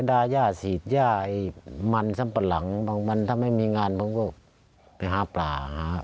ถ้าสมมุติว่าพ่อทำงานอะไร